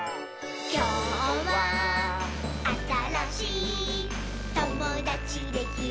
「きょうはあたらしいともだちできるといいね」